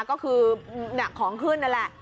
ก็คือของขึ้นนั่นแหละ